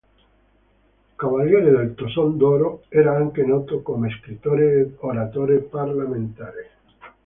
Cavaliere del Toson d'Oro, era anche noto come scrittore ed oratore parlamentare.